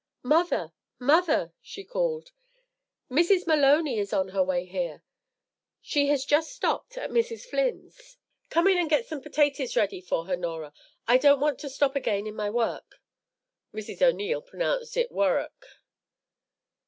"Mother, mother," she called, "Mrs. Maloney is on her way here. She has just stopped at Mrs. Flynn's." "Come in and get some petaties ready for her, Norah. I don't want to stop again in my work." (Mrs. O'Neil pronounced it "wurruk.")